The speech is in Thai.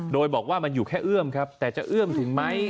โดยบอกว่ามันอยู่แค่เอื้อมครับแต่จะเอื้อมถึงไหม